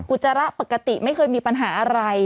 อุจจาระปกติไม่เคยมีปัญหาอะไร